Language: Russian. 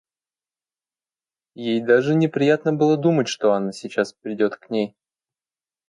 Ей даже неприятно было думать, что Анна сейчас придет к ней.